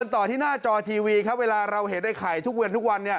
กันต่อที่หน้าจอทีวีเวลาเราเห็นไอเข่ทุกเว้นทุกวัน